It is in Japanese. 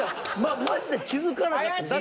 マジで気付かなかったんです。